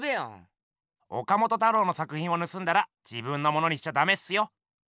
岡本太郎の作品をぬすんだら自分のものにしちゃダメっすよ。